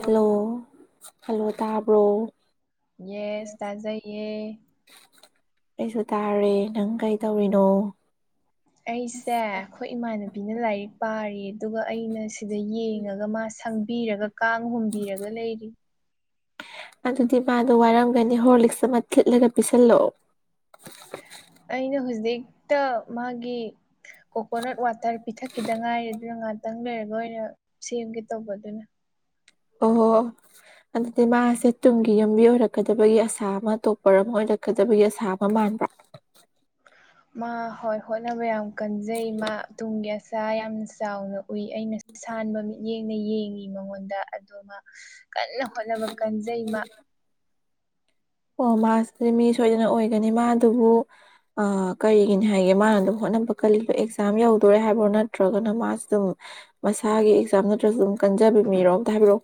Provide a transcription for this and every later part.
hello hello ꯇꯥꯕ꯭ꯔꯣ yes ꯇꯥꯖꯩꯌꯦ ꯀꯩꯁꯨ ꯇꯥꯔꯦ ꯅꯪ ꯀꯩ ꯇꯧꯔꯤꯅꯣ ꯑꯩꯁꯦ ꯑꯩꯈꯣꯏ ꯏꯃꯥꯟꯅꯕꯤꯅ ꯂꯥꯏꯔꯤꯛ ꯄꯥꯔꯤ ꯑꯗꯨꯒ ꯑꯩꯅ ꯁꯤꯗ ꯌꯦꯡꯉꯒ ꯃꯥ ꯁꯪꯕꯤꯔꯒ ꯀꯥꯡ ꯍꯨꯝꯕꯤꯔꯒ ꯂꯩꯔꯤ ꯑꯗꯨꯗꯤ ꯃꯥꯗꯣ ꯋꯥꯔꯝꯒꯅꯤ ꯍꯣꯔꯂꯤꯛꯁ ꯑꯃ ꯊꯤꯠꯂꯒ ꯄꯤꯁꯜꯂꯛꯑꯣ ꯑꯩꯅ ꯍꯧꯖꯤꯛꯇ ꯃꯥꯒꯤ ꯀꯣꯀꯣꯅꯠ ꯋꯥꯇꯔ ꯄꯤꯊꯛꯈꯤꯗ ꯉꯥꯏꯔꯦ ꯑꯗꯨꯅ ꯈꯤꯇꯪ ꯂꯩꯔꯒ ꯑꯣꯏꯅ ꯁꯦꯝꯒꯦ ꯇꯧꯕ ꯑꯗꯨꯅ ꯑꯣ ꯑꯗꯨꯗꯤ ꯃꯥꯁꯦ ꯇꯨꯡꯒꯤ ꯌꯨꯝꯕꯤ ꯑꯣꯏꯔꯛꯀꯗꯕꯒꯤ ꯑꯁꯥ ꯑꯃ ꯇꯇꯣꯞꯄꯔ ꯑꯃ ꯑꯣꯏꯔꯛꯀꯗꯕꯒꯤ ꯑꯁꯥ ꯑꯃ ꯃ [unintelligible] [inaudible] ꯃꯥ ꯍꯣꯏ ꯍꯣꯠꯅꯕ ꯌꯥꯝ ꯀꯟꯖꯩ ꯃꯥ ꯇꯨꯡꯒꯤ ꯑꯁ ꯆ ꯌꯥꯝꯅ ꯆꯥꯎꯅ ꯎꯏ ꯑꯩꯅ ꯁꯥꯟꯕ ꯃꯤꯠꯌꯦꯡꯅ ꯌꯦꯡꯉꯤ ꯃꯉꯣꯟꯗ ꯑꯗꯨꯃ ꯀꯟꯅ ꯍꯣꯠꯅꯕ ꯀꯟꯖꯩꯃ ꯑꯣ ꯃꯥꯁꯤꯗꯤ ꯃꯤ ꯁꯣꯏꯗꯅ ꯑꯣꯏꯒꯅꯤ ꯃꯥ ꯑꯗꯨꯕꯨ ꯀꯔꯤꯒꯤꯅꯤ ꯍꯥꯏꯒꯦ ꯃꯥꯅ ꯑꯗꯨꯝ ꯍꯣꯠꯅ ꯕ ꯀꯜꯂꯤꯗꯣ ꯑꯦꯛꯖꯥꯝ ꯌꯧꯗꯣꯔꯦ ꯍꯥꯏꯕ꯭ꯔꯣ ꯅꯠꯇ꯭ꯔꯒꯅ ꯃꯥꯁꯨꯝ ꯃꯁꯥꯒꯤ ꯑꯦꯛꯖꯥꯝ ꯅꯠꯇ꯭ꯔꯁꯨ ꯑꯗꯨꯝ ꯀꯟꯖ ꯕ ꯃꯤꯔꯣ ꯑꯝꯇ ꯍꯥꯏꯕꯤꯔꯛꯑꯣ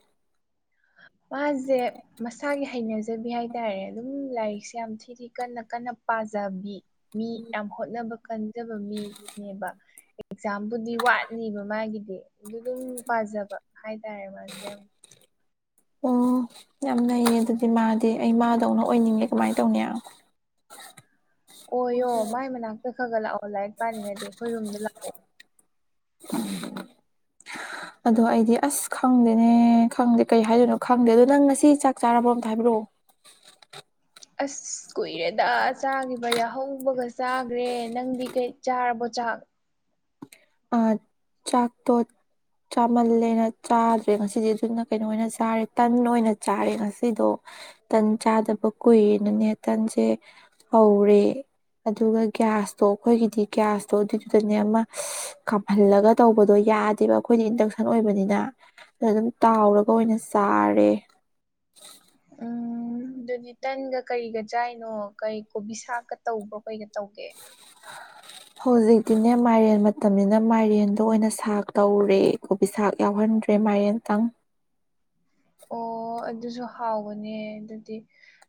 ꯃꯥꯁꯦ ꯃꯁꯥꯒꯤ ꯍꯩꯅꯖꯕꯤ ꯍꯥꯏꯇꯥꯔꯦ ꯑꯗꯨꯝ ꯂꯥꯏꯔꯤꯛꯁꯦ ꯌꯥꯝ ꯊꯤ-ꯊꯤ ꯀꯟꯅ-ꯀꯟꯅ ꯄꯥꯖꯕꯤ ꯃꯤ ꯌꯥꯝ ꯍꯣꯠꯅꯕ ꯀꯟꯖꯕ ꯃꯤꯅꯦꯕ ꯑꯦꯛꯖꯥꯝꯕꯨꯗꯤ ꯋꯥꯠꯂꯤꯕ ꯃꯥꯒꯤꯗꯤ ꯑꯗꯨ ꯑꯗꯨꯝ ꯄꯥꯖꯕ ꯍꯥꯏꯇꯥꯔꯦ ꯃꯥꯁꯦ ꯌꯥꯝ ꯑꯣ ꯑꯣ ꯌꯥꯝ ꯅꯩꯌꯦ ꯑꯗꯨꯗꯤ ꯃꯥꯗꯤ ꯑꯩ ꯃꯥꯗꯧꯅ ꯑꯣꯏꯅꯤꯡꯉꯦ ꯀꯃꯥꯏ ꯇꯧꯅꯤ ꯑꯣꯢꯌꯣ ꯃꯥꯏ ꯃꯅꯥꯛꯇ ꯈꯔ-ꯈꯔ ꯂꯥꯛꯑꯣ ꯂꯥꯏꯔꯤꯛ ꯄꯥꯅꯤꯡꯉꯗꯤ ꯑꯩꯈꯣꯏ ꯔꯨꯝꯗ ꯂꯥꯛꯑꯣ [inaudible] ꯑꯗꯣ ꯑꯩꯗꯤ ꯑꯁ ꯈꯪꯗꯦꯅꯦ ꯈꯪꯗꯦ ꯀꯩ ꯍꯥꯏꯗꯣꯏꯅꯣ ꯈꯪꯗꯦ ꯑꯗꯣ ꯅꯪ ꯉꯁꯤ ꯆꯥꯛ ꯆꯥꯔꯕꯣ ꯑꯝꯇ ꯍꯥꯏꯕꯤꯔꯛꯑꯣ [inaudible] ꯑꯁ ꯀꯨꯏꯔꯦꯗ ꯆꯥꯒꯤꯕ ꯌꯥꯍꯧꯕꯒ ꯆꯥꯒ꯭ꯔꯦ ꯅꯪꯗꯤ ꯀꯩ ꯆꯥꯔꯕꯣ ꯆꯥ ꯆꯥꯛ ꯑ ꯆꯥꯛ ꯇꯣ ꯆꯥꯃꯜꯂꯦꯅ ꯆꯥꯗ꯭ꯔꯦ ꯉꯁꯤꯗꯤ ꯑꯗꯨꯅ ꯀꯩꯅꯣ ꯑꯣꯏꯅ ꯆꯥꯔꯦ ꯇꯟ ꯑꯣꯏꯅ ꯆꯥꯔꯦ ꯉꯁꯤꯗꯣ ꯇꯟ ꯆꯥꯗꯕ ꯀꯨꯏꯔꯦꯅꯅꯦ ꯇꯟꯁꯦ ꯍꯧꯔꯦ ꯑꯗꯨꯒ ꯒ꯭ꯌꯥꯁꯇꯣ ꯑꯩꯈꯣꯏꯒꯤꯗꯤ ꯒ꯭ꯌꯥꯁꯇꯣ ꯑꯗꯨ ꯑꯗꯨꯅꯦ ꯑꯃ ꯀꯥꯝꯍꯜꯂꯒ ꯇꯧꯕꯗꯣ ꯌꯥꯗꯦꯕ ꯑꯩꯈꯣꯏꯗꯤ ꯏꯟꯗꯛꯁꯟ ꯑꯣꯏꯕꯅꯤꯅ ꯑꯗꯨꯝ ꯇꯥꯎꯔꯒ ꯑꯣꯏꯅ ꯆꯥꯔꯦ ꯎꯝ ꯑꯗꯨꯗꯤ ꯇꯟꯒ ꯀꯔꯤꯒ ꯆꯥꯏꯅꯣ ꯀꯩ ꯀꯣꯕꯤ ꯁꯥꯛꯀ ꯇꯧꯕ꯭ꯔꯣ ꯑꯩꯢꯒ ꯇꯧꯒꯦ [inaudible] ꯍꯧꯖꯤꯛꯇꯤꯅꯦ ꯃꯥꯏꯔꯦꯟ ꯃꯇꯝꯅꯤꯅ ꯃꯥꯏꯔꯦꯟꯗꯣ ꯑꯣꯏꯅ ꯁꯥꯛ ꯇꯧꯔꯦ ꯀꯣꯕꯤ ꯁꯥꯛ ꯌꯥꯎꯍꯟꯗ ꯗ꯭ꯔꯦ ꯃꯥꯢꯌꯦꯟꯇꯪ ꯑꯣ ꯑꯗꯨꯖꯨ ꯍꯥꯎꯕꯅꯦ ꯑꯗꯨꯗꯤ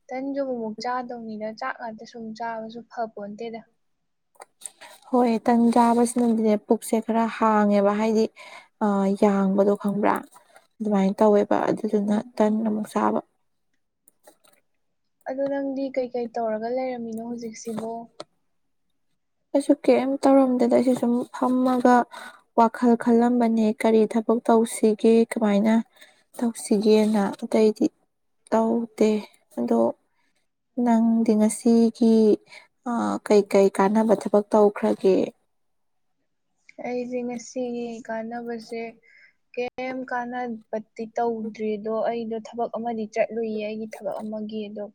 ꯇꯟꯁꯨ ꯑꯃꯨꯛ ꯃꯨꯛ ꯆꯥꯗꯧꯅꯤꯗ ꯆꯥꯛ ꯉꯥꯛꯇ ꯁꯨꯝ ꯆꯥꯕꯁꯨ ꯐꯄꫭꯟ ꯇꯦꯗ ꯍꯣꯏ ꯇꯟ ꯆꯥꯕꯁꯤꯅꯕꯨꯗꯤꯅꯦ ꯄꯨꯛꯁꯦ ꯈꯔ ꯍꯥꯡꯉꯦꯕ ꯍꯥꯏꯗꯤ ꯑꯥ ꯌꯥꯡꯕꯗꯣ ꯈꯪꯕ꯭ꯔꯥ ꯑꯗꯨꯃꯥꯏ ꯇꯧꯋꯦꯕ ꯑꯗꯨꯗꯨꯅ ꯎꯝ ꯇꯟ ꯑꯃꯨꯛ ꯆꯥꯕ ꯑꯗꯣ ꯅꯪꯗꯤ ꯀꯩꯀꯩ ꯇꯧꯔꯒ ꯂꯩꯔꯝꯃꯤꯅꯣ ꯍꯧꯖꯤꯛꯁꯤꯕꯣ ꯑꯩꯁꯨ ꯀꯩꯝ ꯇꯧꯔꯝꯗꯦꯗ ꯑꯩꯁꯨ ꯁꯨꯝ ꯐꯝꯃꯒ ꯋꯥꯈꯜ ꯈꯜꯂꯝꯕꯅꯦ ꯀꯔꯤ ꯊꯕꯛ ꯇꯧꯁꯤꯒꯦ ꯀꯃꯥꯏꯅ ꯇꯧꯁꯤꯒꯦꯅ ꯑꯇꯩꯗꯤ ꯇꯧꯗꯦ ꯑꯗꯣ ꯅꯪꯗꯤ ꯉꯁꯤꯒꯤ ꯀꯩ-ꯀꯩ ꯀꯥꯟꯅꯕ ꯊ ꯊꯕꯛ ꯇꯧꯈ꯭ꯔꯒꯦ ꯑꯩꯁꯦ ꯉꯁꯤꯒꯤ ꯀꯥꯟꯅꯕꯖꯦ ꯀꯩꯝ ꯀꯥꯟꯅꯕꯗꯤ ꯇꯧꯗ꯭ꯔꯤꯗꯣ ꯑꯩꯗꯣ ꯊꯕꯛ ꯑꯃꯗꯤ ꯆꯠꯂꯨꯏꯌꯦ ꯑꯩꯒꯤ ꯊꯕꯛ ꯑꯃꯒꯤ ꯑꯗꯣ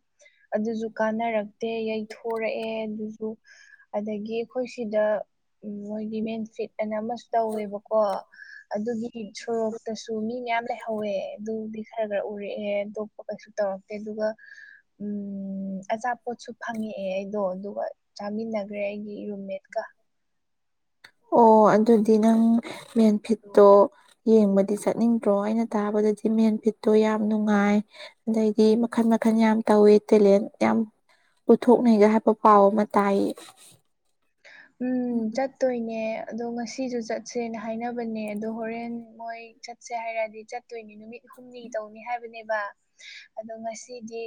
ꯑꯗꯨꯁꯨ ꯀꯥꯟꯅꯔꯛ ꯇꯦ ꯌꯩꯊꯣꯔꯛꯑꯦ ꯑꯗꯨꯖꯨ ꯑꯗꯒꯤ ꯑꯩꯈꯣꯏ ꯁꯤꯗ ꯃꯣꯏꯒꯤ ꯃꯦꯟ ꯁꯤꯠ ꯑꯅ ꯑꯃꯁꯨ ꯇꯧꯋꯦꯕꯀꯣ ꯑꯗꯨꯒꯤ ꯁꯣꯔꯣꯛꯇꯁꯨ ꯃꯤ ꯃꯌꯥꯝ ꯂꯩꯍꯧꯋꯦ ꯑꯗꯨꯗꯤ ꯈꯔ ꯈꯔ ꯎꯔꯛꯑꯦ ꯑꯗꯣꯞꯄ ꯀꯩꯁꯨ ꯇꯧꯔꯛꯇꯦ ꯑꯗꯨꯒ ꯎꯝ ꯑꯆꯥꯄꯣꯠꯁꯨ ꯐꯪ ꯉꯛꯑꯦ ꯑꯩꯗꯣ ꯑꯗꯨꯒ ꯆꯥꯃꯤꯟꯅꯒ꯭ꯔꯦ ꯑꯩꯒꯤ ꯔꯨꯝꯃꯦꯠꯀ ꯑꯣ ꯑꯗꯨꯗꯤ ꯅꯪ ꯃꯦꯟꯐꯤꯠꯇꯣ ꯌꯦꯡꯕꯗꯤ ꯆꯠꯅꯤꯡꯗ꯭ꯔꯣ ꯑꯩꯅ ꯇꯥꯕꯗꯗꯤ ꯃꯦꯟ ꯐꯤꯠꯇꯣ ꯌꯥꯝ ꯅꯨꯡꯉꯥꯏ ꯑꯗꯩꯒꯤ ꯃꯈꯜ ꯃ ꯃꯈꯜ ꯌꯥꯝ ꯇꯧꯋꯦ ꯇꯦꯂꯦꯟ ꯌꯥꯝ ꯎꯠꯊꯣꯛꯅꯩꯒ ꯍꯥꯏꯕ ꯄꯥꯎ ꯑꯃ ꯇꯥꯏ ꯎꯝ ꯆꯠꯇꯣꯏꯅꯦ ꯑꯗꯣ ꯉꯁꯤꯁꯨ ꯆꯠꯁꯦꯅ ꯍꯥꯏꯅꯕꯅꯦ ꯑꯗꯣ ꯍꯣꯔꯦꯟ ꯃꯣꯏ ꯆꯠꯁꯦ ꯍꯥꯏꯔꯗꯤ ꯆꯠꯇꯣꯏꯅꯤ ꯅꯨꯃꯤꯠ ꯍꯨꯝꯅꯤ ꯇꯧꯅꯤ ꯍꯥꯏꯕꯅꯦꯕ ꯑꯗꯣ ꯉꯁꯤꯗꯤ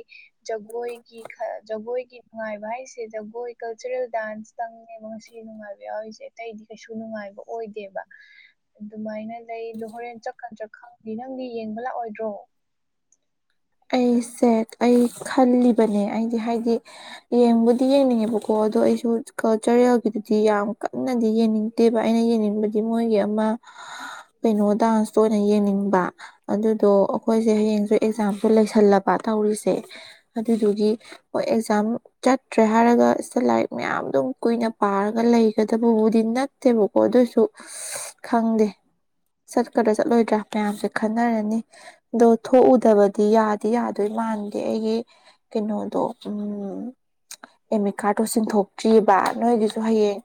ꯖꯒꯣꯏꯒꯤ ꯖꯒꯣꯏ ꯑꯩꯈꯣꯏꯒꯤ ꯅꯨꯡꯉꯥꯏꯕ ꯍꯥꯏꯁꯤ ꯒꯣꯏ ꯀꯜꯆꯔꯦꯜ ꯗꯥꯟꯁ ꯈꯤꯇꯪꯅꯦꯕ ꯉꯁꯤ ꯅꯨꯡꯉꯥꯏꯕ ꯌꯥꯎꯔꯤꯁꯦ ꯑꯇꯩꯗꯤ ꯀꯩꯁꯨ ꯅꯨꯡꯉꯥꯏꯕ ꯑꯣꯏꯗꯦꯕ ꯑꯗꯨꯃꯥꯏꯅ ꯂꯩꯗꯣ ꯍꯣꯔꯦꯟ ꯆꯠꯀꯟꯗ꯭ꯔꯥ ꯈꯪꯗꯦ ꯅꯪꯗꯤ ꯌꯦꯡꯕ ꯂꯥꯛꯑꯣꯏꯗ꯭ꯔꯣ ꯑꯩꯁꯦ ꯑꯩ ꯈꯜꯂꯤꯕꯅꯦ ꯑꯩꯗꯤ ꯍꯥꯏꯗꯤ ꯌꯦꯡꯕꯨꯗꯤ ꯌꯦꯡꯅꯤꯡꯉꯦꯕꯀꯣ ꯀ ꯑꯗꯣ ꯑꯩꯁꯨ ꯀꯜꯆꯔꯦꯜꯒꯤꯗꯨꯗꯤ ꯌꯥꯝ ꯀꯟꯅꯗꯤ ꯌꯦꯡꯅꯤꯡꯗꯦꯕ ꯑꯩꯅ ꯌꯦꯡꯅꯤꯡꯕꯗꯤ ꯃꯣꯏꯒꯤ ꯑꯃ ꯀꯩꯅꯣ ꯗꯥꯟꯁꯇ ꯑꯣꯏꯅ ꯌꯦꯡꯅꯤꯡꯕ ꯑꯗꯨꯗꯣ ꯑꯩꯈꯣꯏꯁꯦ ꯍꯌꯦꯡꯁꯨ ꯑꯦꯛꯖꯥꯝ ꯂꯩꯁꯜꯂꯕ ꯇꯧꯔꯤꯁꯦ ꯑꯗꯨꯗꯨꯒꯤ ꯍꯣꯏ ꯑꯦꯛꯖꯥꯝ ꯆꯠꯇ꯭ꯔꯦ ꯍꯥꯏꯔꯒ ꯁꯤꯗ ꯂꯥꯏꯔꯤꯛ ꯃꯌꯥꯝ ꯑꯗꯨꯝ ꯀꯨꯏꯅ ꯄꯥꯔꯒ ꯂꯩꯒꯗꯕꯕꯨꯗꯤ ꯅꯠꯇꯦꯕꯀꯣ ꯑꯗꯨꯁꯨ ꯈꯪꯗꯦ ꯆꯠꯀꯗ꯭ꯔꯥ ꯆꯠꯂꯣꯏꯗ꯭ꯔꯥ ꯃꯌꯥꯝꯁꯦ ꯈꯟꯅꯔꯅꯤ ꯑꯗꯣ ꯊꯣꯛꯎꯗꯕ ꯗꯤ ꯌꯥꯗꯤ ꯌꯥꯗꯣꯏ ꯃꯥꯟꯗꯦ ꯑꯩꯒꯤ ꯀꯩꯅꯣꯗꯣ ꯎꯝ ꯑꯦꯃꯤꯠꯀꯥꯠꯇꯣ ꯁꯤꯟꯊꯣꯛꯇ꯭ꯔꯤꯕꯑꯔꯤꯕ ꯅꯣꯏꯒꯤꯁꯨ ꯍꯌꯦꯡ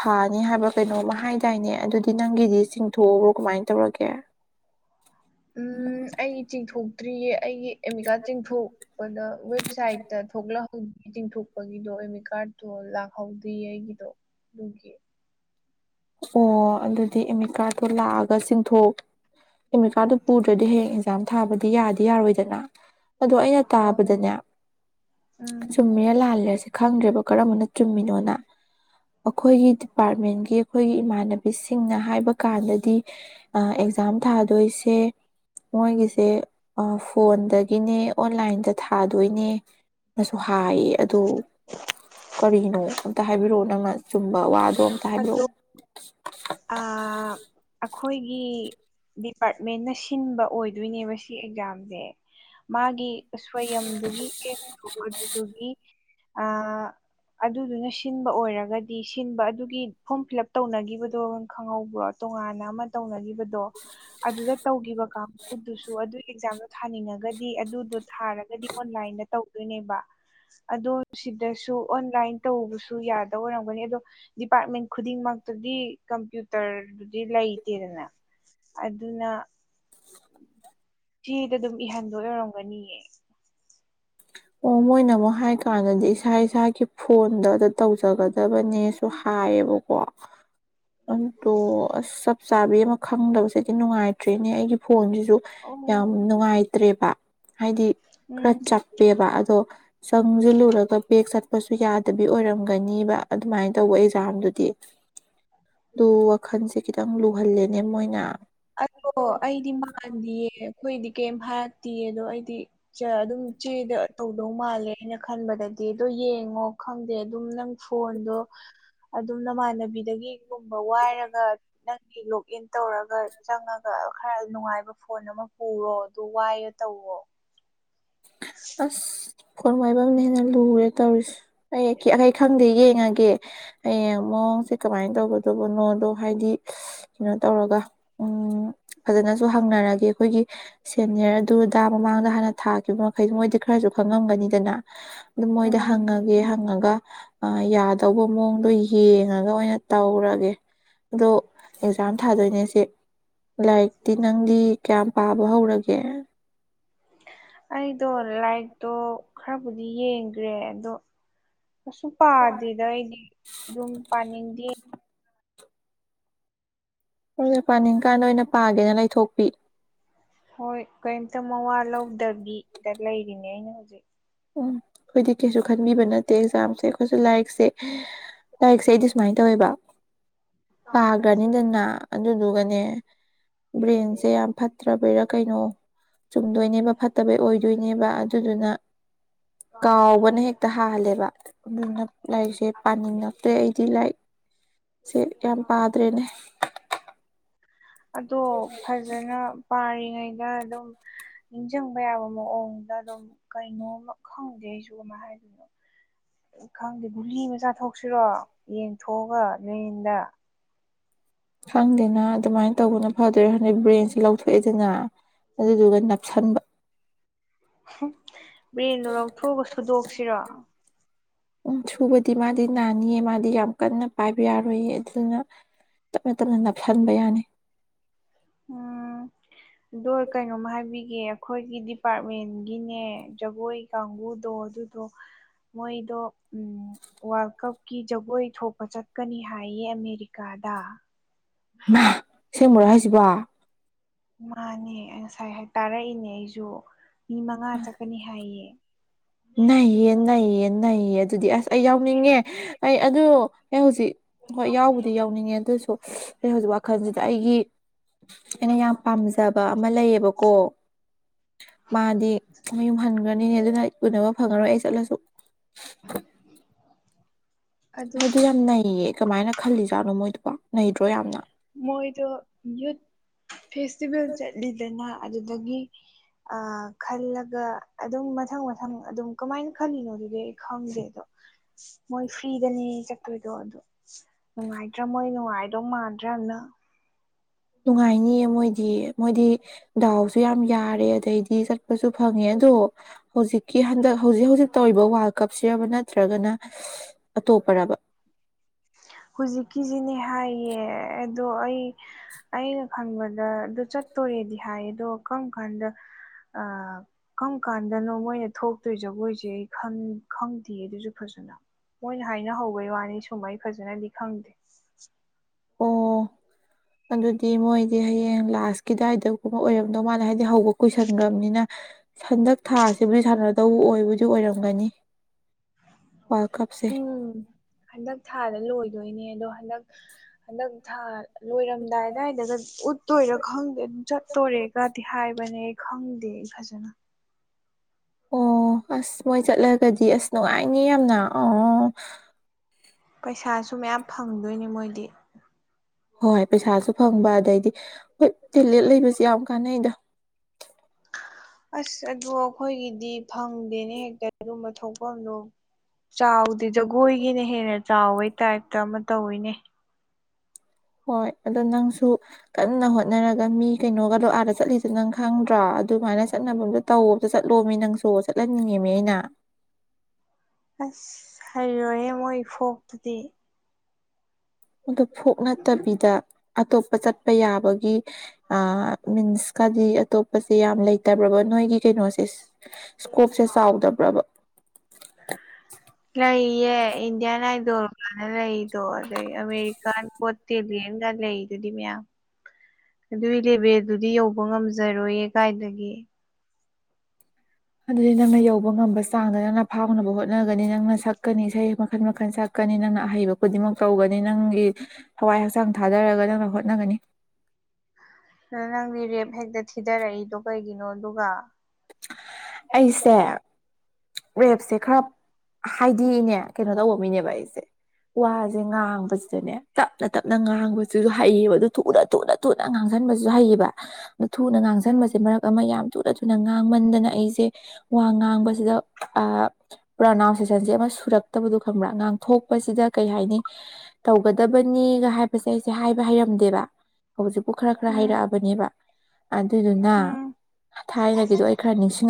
ꯊꯥꯅꯤ ꯍꯥꯏꯕ ꯀꯩꯅꯣꯝꯃ ꯍꯥꯏ ꯇꯅꯦ ꯑꯗꯨꯗꯤ ꯅꯪꯒꯤꯗꯤ ꯆꯤꯡꯊꯣꯛꯑꯕ꯭ꯔꯣ ꯀꯃꯥꯏꯅ ꯇꯧꯔꯒꯦ ꯎꯝ ꯑꯩ ꯆꯤꯡꯊꯣꯛꯇ꯭ꯔꯤꯌꯦ ꯑꯩꯒꯤ ꯑꯦꯃꯤꯠꯀꯥꯠ ꯆꯤꯡꯊꯣꯛꯄꯗ ꯋꯦꯕꯁꯥꯏꯠꯇ ꯊꯣꯛꯂꯛꯍꯧ ꯆꯤꯡꯊꯣꯛꯄꯒꯤꯗꯣ ꯑꯦꯃꯤꯠꯀꯥꯔꯠꯇꯣ ꯂꯥꯛꯍꯧꯗꯦ ꯑꯩꯒꯤꯗꯣ ꯑꯗꯨꯒꯤ ꯑꯣ ꯑꯗꯨꯗꯤ ꯑꯦꯃꯤꯀꯥꯠꯗꯣ ꯂꯥꯛꯑꯒ ꯆꯤꯡꯊꯣꯛ ꯑꯦꯔꯤꯠꯀꯥꯠꯗꯨ ꯄꯨꯗ꯭ꯔꯗꯤ ꯍꯌꯦꯡ ꯑꯦꯛꯖꯥꯝ ꯊꯥꯕꯗꯤ ꯌꯥꯗꯤ ꯌꯥꯔꯣꯏꯗꯅ ꯑꯗꯣ ꯑꯩꯅ ꯍꯣꯏ ꯇꯥꯕꯗꯅꯦ ꯎꯝ ꯆꯨꯝꯃꯤꯔ ꯂꯥꯜꯂꯦꯔ ꯁꯤ ꯈꯪꯗ꯭ꯔꯦꯕ ꯀꯔꯝꯕꯅ ꯆꯨꯝꯃꯤꯅꯣꯅ ꯑꯩꯈꯣꯏꯒꯤ ꯗꯤꯄꯥꯔꯠꯃꯦꯟꯒꯤ ꯑꯩꯈꯣꯏꯒꯤ ꯏꯃꯥꯟꯅꯕꯤꯁꯤꯡꯅ ꯍꯥꯏꯕ ꯀꯥꯟꯗꯗꯤ ꯑꯦꯛꯖꯥꯝ ꯊꯥꯗꯣꯏꯁꯦ ꯃꯣꯏꯒꯤꯁꯦ ꯐꯣꯟꯗꯒꯤꯅꯦ ꯑꯣꯟꯂꯥꯏꯟꯗ ꯊꯥꯗꯣꯏꯅꯦ ꯅꯁꯨ ꯍꯥꯏꯌꯦ ꯑꯗꯨ ꯀꯔꯤꯅꯣ ꯑꯝꯇ ꯍꯥꯏꯕꯤꯔꯛꯑꯣ ꯅꯪꯅ ꯆꯨꯝꯕ ꯋꯥꯗꯣ ꯇꯣ ꯑꯝꯇꯥ ꯑꯗꯣ ꯍꯥꯏꯕꯤꯔꯛꯑꯣ ꯑꯩꯈꯣꯏꯒꯤ ꯗꯤꯄꯥꯔꯠꯃꯦꯟꯅ ꯁꯤꯟꯕ ꯑꯣꯏꯗꯣꯏꯅꯦꯕ ꯁꯤ ꯑꯦꯛꯖꯥꯝꯁꯦ ꯃꯥꯒꯤ ꯁꯋꯌꯝꯗꯨꯒꯤ ꯑꯦ ꯑꯗꯨꯗꯨꯒꯤ ꯑ ꯑꯗꯨꯗꯨꯅ ꯁꯤꯟꯕ ꯑꯣꯏꯔꯒꯗꯤ ꯁꯤꯟꯕ ꯑꯗꯨꯒꯤ ꯐꯣꯔꯝ ꯐꯤꯜ ꯎꯞ ꯇꯧꯅꯈꯤꯕꯗꯨ ꯈꯪꯍꯧꯕ꯭ꯔꯣ ꯇꯣꯉꯥꯟꯅ ꯑꯃ ꯇꯧꯅꯈꯤꯕꯗꯣ ꯑꯗꯨꯗ ꯇꯧꯈꯤꯕ ꯀꯀꯨꯗꯨꯁꯨ ꯑꯗꯨ ꯑꯦꯛꯖꯥꯝꯗꯣ ꯊꯥꯅꯤꯡꯉꯒꯗꯤ ꯑꯗꯨꯗꯣ ꯊꯥꯔꯒꯗꯤ ꯑꯣꯟꯂꯥꯏꯟꯗ ꯇꯧꯗꯣꯏꯅꯦꯕ ꯑꯗꯣ ꯁꯤꯗꯁꯨ ꯑꯣꯟꯂꯥꯏꯟ ꯇꯧꯕꯁꯨ ꯌꯥꯗꯕ ꯑꯣꯏꯔꯝꯒꯅꯤ ꯑꯗꯣ ꯗꯤꯄꯥꯔꯠꯃꯦꯟ ꯈꯨꯗꯤꯡꯃꯛ ꯑꯗꯨꯗꯤ ꯀꯝꯄ꯭ꯌꯨꯇꯔꯗꯨꯗꯤ ꯂꯩꯇꯦꯗꯅ ꯑꯗꯨꯅ ꯆꯦꯗ ꯑꯗꯨꯝ ꯏꯍꯟꯗꯣꯢ ꯑꯣꯏꯔꯝꯒꯅꯤꯌꯦ ꯑꯣ ꯃꯣꯏꯅ ꯑꯃꯨꯛ ꯍꯥꯏ ꯀꯥꯟꯗꯗꯤ ꯏꯁꯥ ꯏꯁꯥꯒꯤ ꯐꯣꯟꯗ ꯇꯧꯖꯒꯗꯕꯅꯦꯁꯨ ꯍꯥꯢ ꯍꯥꯌꯦꯕ ꯀꯣ ꯑꯗꯣ ꯑꯁ ꯆꯞ ꯆꯥꯕꯤ ꯑꯃ ꯈꯪꯗꯕꯁꯦꯗꯤ ꯅꯨꯡꯉꯥꯏꯇ꯭ꯔꯦꯅꯦ ꯑꯩꯒꯤ ꯐꯣꯟꯁꯤ ꯑꯗꯨꯨ ꯑꯣ ꯌꯥꯝ ꯅꯨꯡꯉꯥꯏꯇ꯭ꯔꯦꯕ ꯍꯥꯏꯗꯤ ꯈꯔ ꯎꯝ ꯆꯞ ꯆꯠꯄꯦꯕ ꯑꯗꯣ ꯆꯪꯁꯤꯜꯂꯨꯔꯒ ꯕꯦꯒ ꯆꯠ ꯁꯨ ꯌꯥꯗꯕꯤ ꯑꯣꯏꯔꯝꯒꯅꯤꯕ ꯑꯗꯨꯃꯥꯏꯅ ꯇꯧꯕ ꯑꯦꯛꯖꯥꯝꯗꯨꯗꯤ ꯑꯗꯨ ꯋꯥꯈꯜꯁꯦ ꯈꯤꯇꯪ ꯂꯨꯍꯜꯂꯦꯅꯦ ꯃꯣꯏꯅ ꯑꯣ ꯑꯩꯗꯤ ꯃꯥꯟꯗꯤꯌꯦ ꯑꯩꯈꯣꯏꯗꯤ ꯀꯩꯝ ꯍꯥꯏꯔꯠꯇꯦ ꯑꯗꯣ ꯑꯩꯗꯤ ꯑꯗꯨꯝ ꯆꯦꯗ ꯇꯧꯗꯧ ꯃꯥꯜꯂꯦ ꯍꯥꯏꯅ ꯈꯟꯕꯗꯗꯤ ꯑꯗꯣ ꯌꯦꯡꯉꯣ ꯈꯪꯗꯦ ꯑꯗꯨꯝ ꯅꯪ ꯐꯣꯟꯗꯣ ꯑꯗꯨꯝ ꯅꯃꯥꯟꯅꯕꯤꯗꯒꯤ ꯨ ꯋꯥꯏꯔꯒ ꯅꯪꯒꯤ ꯂꯣꯛ ꯏꯟ ꯇꯧꯔꯒ ꯆꯪꯉꯒ ꯈꯔ ꯅꯨꯡꯉꯥꯏꯕ ꯐꯣꯟ ꯑꯃ ꯄꯨꯔꯣ ꯑꯗꯨ ꯋꯥꯏꯔ ꯇꯧꯔꯣ ꯑꯁ ꯐꯣꯟ ꯋꯥꯏꯕꯝꯅ ꯍꯦꯟꯅ ꯂꯨꯔꯦ ꯇꯧꯔꯤꯁꯦ ꯑꯩ ꯈꯪꯗꯦ ꯌꯦꯡꯉꯒꯦ ꯍꯌꯦꯡ ꯑꯃꯨꯛ ꯑꯣ ꯁꯤꯦ ꯀꯃꯥꯏꯅ ꯇꯧꯒꯗꯧꯕꯅꯣꯗꯣ ꯍꯥꯏꯗꯤ ꯀꯩꯅꯣ ꯇꯧꯔꯒ ꯎꯝ ꯐꯖꯅꯁꯨ ꯍꯪꯅꯔꯒꯦ ꯑꯩꯈꯣꯏꯒꯤ ꯁꯦꯅꯤꯔ ꯑꯗꯨꯗ ꯃꯃꯥꯡꯗ ꯍꯥꯟꯅ ꯊꯥꯈꯤꯕ ꯃꯈꯩ ꯃꯣꯏꯗꯤ ꯈꯔꯁꯨ ꯈꯪꯉꯝꯒꯅꯤꯗꯅ ꯑꯗꯨꯝ ꯃꯣꯏꯗ ꯎꯝ ꯍꯪꯉꯒꯦ ꯍꯪꯉꯒ ꯌꯥꯗꯧꯕ ꯃꯑꯣꯡꯗꯣ ꯌꯦꯡꯉꯒ ꯑꯣꯏꯅ ꯇꯧꯔꯒꯦ ꯑꯗꯣ ꯑꯦꯛꯖꯥꯝ ꯊꯥꯗꯣꯏꯅꯦ ꯁꯤ ꯂꯥꯏꯔꯤꯛꯇꯤ ꯅꯪꯗꯤ ꯀꯌꯥꯝ ꯄꯥꯕ ꯍꯧꯔꯒꯦ ꯑꯩꯗꯣ ꯂꯥꯏꯔꯤꯛꯇꯣ ꯈꯔꯕꯨꯗꯤ ꯌꯦꯡꯈ꯭ꯔꯦ ꯑꯗꯣ ꯀꯩꯁꯨ ꯄꯥꯗꯦꯗ ꯑꯩꯗꯤ ꯑꯗꯨꯝ ꯄꯥꯅꯤꯡꯗꯦ ꯍ ꯄꯥꯅꯤꯡꯀꯥꯟꯗ ꯑꯣꯏꯅ ꯄꯥꯒꯦꯅ ꯂꯩꯊꯣꯛꯄꯤ ꯍꯣꯏ ꯀꯔꯤꯝꯇ ꯃꯋꯥ ꯂꯧꯗꯕꯤꯗ ꯂꯩꯔꯤꯅꯦ ꯑꯩꯅ ꯍꯧꯖꯤꯛ ꯎꯝ ꯑꯩꯈꯣꯏꯗꯤ ꯀꯩꯁꯨ ꯈꯟꯕꯤꯕ ꯅꯠꯇꯦ ꯑꯦꯛꯖꯥꯝꯁꯦ ꯑꯩꯈꯣꯏꯁꯨ ꯂꯥꯏꯔꯤꯛꯁꯦ ꯂꯥꯏꯔꯤꯛꯁꯦ ꯑꯩꯗꯤ ꯁꯨꯃꯥꯏꯅ ꯇꯧꯋꯦꯕ ꯄꯥꯈ꯭ꯔꯅꯤꯗꯅ ꯑꯗꯨꯗꯨꯒꯅꯦ ꯕ꯭ꯔꯦꯟꯁꯦ ꯌꯥꯝ ꯐꯠꯇ꯭ꯔꯕꯩꯔꯥ ꯀꯩꯅꯣ ꯆꯨꯝꯗꯣꯏꯅꯦꯕ ꯐꯠꯇꯕꯩ ꯑꯣꯏꯗꯣꯏꯅꯦꯕ ꯑꯗꯨꯗꯨꯅ ꯀꯥꯎꯕꯅ ꯍꯦꯛꯇ ꯍꯥꯜꯂꯦꯕ ꯑꯗꯨꯅ ꯂꯥꯏꯔꯤꯛꯁꯦ ꯄꯥꯅꯤꯡꯉꯛꯇ꯭ꯔꯦ ꯑꯩꯗꯤ ꯂꯥꯏꯔꯤꯛ ꯁꯤꯦ ꯌꯥꯝ ꯄꯥꯗ꯭ꯔꯦꯅꯦ ꯑꯗꯣ ꯐꯖꯅ ꯄꯥꯔꯤꯉꯩ ꯑꯗꯨꯝ ꯅꯤꯡꯁꯤꯡꯕ ꯌꯥꯕ ꯃꯑꯣꯡꯗ ꯑꯗꯨꯝ ꯀꯩꯅꯣꯝꯃ ꯈꯪꯗꯦ ꯑꯩꯁꯨ ꯑꯃ ꯍꯥꯏꯗꯅꯣ ꯈꯪꯗꯦ ꯒꯨꯂꯤ ꯃꯆꯥꯥꯊꯣꯛꯁꯤꯔꯣ ꯌꯦꯟꯊꯣꯛꯑꯒ ꯅꯟꯗ ꯈꯪꯗꯦꯅ ꯑꯗꯨꯃꯥꯏꯅ ꯇꯧꯕꯅ ꯐꯗꯔꯦ ꯍꯟꯗꯛ ꯕ꯭ꯔꯦꯟꯁꯦ ꯂꯧꯊꯣꯛꯑꯦꯗꯅ ꯑꯗꯨꯗꯨꯒ ꯅꯞꯁꯤꯟꯕ ꯕ꯭ꯔꯦꯟꯗꯣ ꯂꯧꯊꯣꯛꯑꯒ ꯁꯨꯗꯣꯛꯁꯤꯔꯣ ꯎ ꯁꯨꯕꯗꯤ ꯃꯥꯗꯤ ꯅꯥꯅꯤꯌꯦ ꯃꯥꯗꯤ ꯌꯥꯝ ꯀꯟꯅ ꯄꯥꯏꯕ ꯌꯥꯔꯣꯏꯌꯦ ꯑꯗꯨꯅ ꯇꯞꯅ ꯇꯞꯅ ꯅꯞꯊꯍꯟꯕ ꯌꯥꯅꯤ ꯎꯝ ꯑꯗꯣ ꯀꯩꯅꯣꯝꯃ ꯍꯥꯏꯕꯤꯒꯦ ꯑꯩꯈꯣꯏꯒꯤ ꯗꯤꯄꯥꯔꯠꯃꯦꯟꯒꯤꯅꯦ ꯖꯒꯣꯏ ꯀꯥꯡꯕꯨꯗꯣ ꯑꯗꯨꯗꯣ ꯃꯣꯏꯗꯣ ꯎꯝ ꯋꯥꯔꯜ ꯀꯞꯀꯤ ꯖꯒꯣꯏ ꯊꯣꯛꯄ ꯆꯠꯀꯅꯤ ꯍꯥꯏꯌꯦ ꯑꯃꯦꯔꯤꯀꯥꯗ ꯗꯗꯥ ꯏꯃ ꯁꯦꯝꯦꯡꯃꯨꯔꯦ ꯍꯥꯏꯁꯤꯕ ꯃꯥꯅꯦ ꯉꯁꯥꯏ ꯇꯥꯔꯛꯏꯅꯦ ꯑꯩꯁꯨ ꯃꯤ ꯃꯉꯥ ꯆꯠꯀꯅꯤ ꯍꯥꯏꯌꯦ ꯅꯩꯌꯦ ꯅꯩꯌꯦ ꯅꯩꯌꯦ ꯑꯗꯨꯗꯤ ꯑꯁ ꯑꯩ ꯌꯥꯎꯅꯤꯡꯉꯦ ꯑꯩ ꯑꯗꯨ ꯑꯦ ꯍꯧꯖꯤꯛ ꯍꯣꯏ ꯌꯥꯎꯕꯨꯗꯤ ꯌꯥꯎꯅꯤꯡꯉꯦ ꯑꯗꯨꯑꯣꯁꯨ ꯑ ꯍꯧꯖꯤꯛ ꯋꯥꯈꯜꯁꯤꯗ ꯑꯩꯒꯤ ꯑꯩꯅ ꯌꯥꯝ ꯄꯥꯝꯖꯕ ꯑꯃ ꯂꯩꯌꯦꯕꯀꯣ ꯃꯥꯗꯤ ꯃꯌꯨꯝ ꯍꯟꯈ꯭ꯔꯅꯤꯅꯦ ꯑꯗꯨꯅ ꯎꯅꯕ ꯐꯪꯉꯔꯣꯏ ꯑꯩ ꯆꯠꯂꯁꯨ ꯑꯁ ꯑꯗꯨ ꯌꯥꯝ ꯅꯩꯌꯦ ꯀꯃꯥꯏꯅ ꯈꯜꯂꯤꯖꯥꯠꯅꯣ ꯃꯣꯏꯗꯨꯀꯣ ꯅꯩꯗ꯭ꯔꯣ ꯌꯥꯝꯅ ꯃꯣꯏꯗꯣ ꯌꯨꯠ ꯐꯦꯁꯇꯤꯚꯦꯜ ꯆꯠꯂꯤꯗꯅ ꯑꯗꯨꯗꯒꯤ ꯑ ꯈꯜꯂꯒ ꯑꯗꯨꯝ ꯃꯊꯪ ꯃꯊꯪ ꯑꯗꯨꯝ ꯀꯃꯥꯏꯅ ꯈꯜꯂꯤꯅꯣ ꯈꯪꯗꯦ ꯑꯗꯣ ꯃꯣꯏ ꯐ꯭ꯔꯤꯗꯅꯦ ꯆꯠꯇꯣꯏꯗꯣ ꯑ ꯅꯨꯡꯉꯥꯏꯗ꯭ꯔꯥ ꯃꯣꯏ ꯍꯣꯏ ꯅꯨꯡꯉꯥꯏꯗꯧ ꯃꯥꯟꯗ꯭ꯔꯅ ꯅꯨꯡꯉꯥꯏꯅꯤꯌꯦ ꯃꯣꯏꯗꯤ ꯃꯣꯏꯗꯤ ꯗꯥꯎꯁꯨ ꯌꯥꯝ ꯌꯥꯔꯦ ꯑꯗꯩꯗꯤ ꯆꯠꯄꯁꯨ ꯐꯪꯉꯦ ꯑꯗꯣ ꯍꯧꯖꯤꯛꯀꯤ ꯍꯟꯗꯛ ꯍꯧꯖꯤꯛ ꯍꯧꯖꯤꯛ ꯇꯧꯔꯤꯕ ꯋꯥꯔꯜ ꯀꯞ ꯁꯤꯔꯕ ꯅꯠꯇ꯭ꯔꯒꯅ ꯑꯇꯣꯞꯄꯔꯕ ꯍꯧꯖꯤꯛꯀꯤꯁꯤꯅꯦ ꯍꯥꯏꯌꯦ ꯑꯗꯣ ꯑꯩ ꯑꯩꯅ ꯈꯪꯕꯗ ꯑꯗꯨ ꯆꯠꯇꯣꯔꯦꯗꯤ ꯍꯥꯏ ꯑꯗꯣ ꯀꯔꯝ ꯀꯥꯟꯗ ꯑ ꯀꯝ ꯀꯥꯟꯗꯅꯣ ꯃꯣꯏꯅ ꯊꯣꯛꯇꯣꯏ ꯖꯒꯣꯏꯁꯦ ꯑꯩ ꯈꯪꯗꯦ ꯑꯗꯨꯁꯨ ꯐꯖ ꯃꯣꯏꯅ ꯍꯥꯏꯅ ꯍꯧꯕꯩ ꯋꯥꯅꯤ ꯁꯨꯝꯍꯩ ꯐꯖꯅꯗꯤ ꯈꯪꯗꯦ ꯑꯣ ꯑꯗꯨꯗꯤ ꯃꯣꯏꯗꯤ ꯍꯌꯦꯡ ꯂꯥꯛ ꯥꯁꯀꯤꯗꯥꯏꯗꯒꯨꯝꯕ ꯑꯣꯏꯔꯝꯗꯣ ꯃꯥꯅ ꯍꯥꯏꯗꯤ ꯍꯧꯕ ꯀꯨꯁꯟꯈ꯭ꯔꯕꯅꯤꯅ ꯍꯟꯗꯛ ꯊꯁꯤꯕꯨ ꯁꯅꯔ ꯂꯧ ꯑꯣꯏꯕꯨꯗꯤ ꯑꯣꯏꯔꯝꯒꯅꯤ ꯋꯥꯔꯜ ꯀꯞꯁꯦ ꯎꯝ ꯍꯟꯗꯛ ꯊꯥꯗ ꯂꯣꯏ ꯑꯗꯨꯣꯏꯅꯦ ꯑꯗꯣ ꯍꯟꯗꯛ ꯍꯟꯗꯛ ꯊꯥ ꯂꯣꯏꯔꯝꯗꯥꯏꯗꯥꯋꯥꯏꯗꯒ ꯎꯠꯇꯣꯏꯔ ꯈꯪꯗꯦ ꯑꯗꯨꯝ ꯆꯠꯇꯣꯔꯦꯒꯗꯤ ꯍꯥꯏꯕꯅꯦ ꯈꯪꯗꯦ ꯏ ꯈꯖꯅ ꯑꯣ ꯑꯁ ꯃꯣꯏ ꯆꯠꯂꯒꯗꯤ ꯑꯁ ꯅꯨꯡꯉꯥꯏꯅꯤ ꯌꯥꯝꯅ ꯑꯣ ꯄꯩꯁꯥꯁꯨ ꯃꯌꯥꯝ ꯐꯪꯗꯣꯏꯅꯤ ꯃꯣꯏꯗꯤ ꯍꯣꯏ ꯄꯩꯁꯥꯁꯨ ꯐꯪꯕ ꯑꯗꯩꯗꯤ ꯍꯣꯏ ꯇꯦꯂꯦꯟ ꯂꯩꯕꯁꯨ ꯌꯥꯝ ꯀꯥꯟꯅꯩꯗ ꯑꯁ ꯑꯗꯨ ꯑꯩꯈꯣꯏꯒꯤꯗꯤ ꯐꯪꯗꯦꯅꯦ ꯍꯦꯛꯇ ꯑꯗꯨꯨꯝꯕ ꯊꯣꯛꯐꯝꯗꯣ ꯆꯥꯎꯗꯤ ꯖꯒꯣꯏꯒꯤꯅ ꯍꯦꯟꯅ ꯆꯥꯎꯕꯩ ꯇꯥꯏꯞꯇ ꯑꯃ ꯇꯧꯋꯤꯅꯦ ꯍꯣꯏ ꯑꯗꯣ ꯅꯪꯁꯨ ꯀꯟꯅ ꯍꯣꯠꯅꯔꯒ ꯃꯤ ꯀꯩꯅꯣꯒ ꯂꯣ ꯑꯒ ꯆꯠꯂꯤꯁ ꯅꯪ ꯈꯪꯗ꯭ꯔꯥ ꯑꯗꯨꯃꯥꯏꯅ ꯆꯠꯅꯕ ꯑꯝꯇ ꯇꯧꯝꯗ ꯆꯠꯂꯣꯝꯃꯤ ꯅꯪꯁꯨ ꯆꯠꯍꯟꯅꯤꯡꯉꯤꯅꯦ ꯑꯩꯅ ꯑꯁ ꯍꯥꯏꯔꯣꯏꯌꯦꯦ ꯃꯣꯏ ꯏꯐꯣꯛꯇꯗꯤ ꯑꯗꯨ ꯐꯣꯛ ꯅꯠꯇꯕꯤꯗ ꯑꯇꯣꯞꯄ ꯆꯠꯄ ꯌꯥꯕꯒꯤ ꯃꯤꯟꯁ ꯀꯗꯤ ꯑꯇꯣꯞꯄꯁꯦ ꯌꯥꯝ ꯂꯩꯇꯕ꯭ꯔꯕꯣ ꯅꯣꯏꯒꯤ ꯀꯩꯅꯣꯁꯦ ꯏꯁꯀꯣꯞꯁꯦ ꯆꯥꯎꯗꯕ꯭ꯔꯕ ꯂꯩꯦ ꯏꯟꯗꯤꯌꯥꯅꯏꯗꯣꯔ ꯅ ꯂꯩꯗꯣ ꯑꯗ ꯑꯃꯦꯔꯤꯀꯥꯟ ꯑꯣꯁꯇ꯭ꯔꯦꯂꯤꯌꯥꯟꯒ ꯂꯩꯗꯨꯗꯤ ꯃꯌꯥꯝ ꯑꯗꯨꯏ ꯂꯦꯕꯦ ꯑꯗꯨꯗꯤ ꯌꯧꯕ ꯉꯝꯖꯔꯣꯏꯌꯦ ꯀꯥꯏꯗꯒꯤ ꯑꯗꯨꯗꯤ ꯅꯪꯅ ꯌꯧꯕ ꯉꯝꯕ ꯆꯥꯡꯗ ꯅꯪꯅ ꯐꯥꯎꯅꯕ ꯍꯣꯠꯅꯒꯅꯤ ꯅꯪꯅ ꯁꯛꯀꯅꯤ ꯏꯁꯩ ꯃꯈꯜ ꯃꯈꯜ ꯁꯛꯀꯅꯤ ꯀꯅꯤ ꯅꯪꯅ ꯑꯍꯩꯕ ꯈꯨꯗꯤꯡꯃꯛ ꯇꯧꯒꯅꯤ ꯅꯪꯒꯤ ꯍꯋꯥꯏ ꯍꯛꯆꯥꯡ ꯊꯥꯗꯔꯒ ꯅꯪꯅ ꯍꯣꯠꯅꯒꯅꯤ ꯅꯪꯗꯤ ꯔꯦꯞ ꯍꯦꯛꯇ ꯊꯤꯗꯔꯛꯏꯗꯣ ꯀꯩꯒꯤꯅꯣ ꯑꯗꯨꯒ ꯑꯩꯁꯦ ꯋꯦꯞꯁꯦ ꯈꯔ ꯍꯥꯏꯗꯤ ꯏꯅꯦ ꯀꯩꯅꯣ ꯇꯧꯕ ꯃꯤꯅꯦꯕ ꯑꯩꯁꯦ ꯋꯥꯁꯦ ꯉꯥꯡꯕꯁꯤꯗꯅꯦ ꯇꯞꯅ ꯇꯞꯅ ꯉꯥꯡꯕꯁꯤꯁꯨ ꯍꯩꯌꯦꯕ ꯑꯗꯨ ꯊꯨꯅ ꯊꯨꯅ ꯇꯨꯠꯅ ꯉꯥꯡꯁꯟꯕꯁꯨ ꯍꯩꯌꯦꯕ ꯑꯗꯣ ꯊꯨꯅ ꯎꯝ ꯉꯥꯡꯁꯤꯟꯕꯁꯦ ꯃꯔꯛ ꯑꯃ ꯌꯥꯝ ꯇꯨꯠꯅ ꯊꯨꯅ ꯑꯥꯡꯃꯟꯗꯅ ꯑꯩꯁꯦ ꯋꯥ ꯉ ꯈ ꯀ ꯇꯧꯒꯗꯕꯅꯤꯒ ꯍꯥꯏꯕꯁꯦ ꯑꯩꯁꯦ ꯍꯥꯏꯕ ꯍꯩꯔꯝꯗꯦꯕ ꯍꯧꯖꯤꯛꯄꯨ ꯈꯔ ꯈꯔ ꯎꯝ ꯍꯩꯔꯛꯑꯕꯅꯦꯕ ꯑꯗꯨꯗꯨꯅ ꯎꯝ ꯊꯥꯏꯅ ꯗꯣ ꯑꯩ ꯈꯔ ꯅꯤꯡꯁꯤꯡꯉꯦ